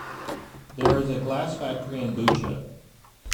There is a glass factory in Bucha.